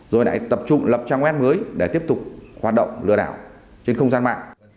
rồi lại tập trung lập trang web mới để tiếp tục hoạt động lừa đảo trên không gian mạng